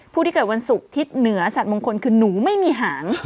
ผู้ที่เกิดวันศุกร์ทิศเหนือสัตว์มงคลคือหนูไม่มีหาง